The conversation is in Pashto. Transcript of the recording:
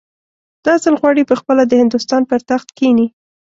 دا ځل غواړي پخپله د هندوستان پر تخت کښېني.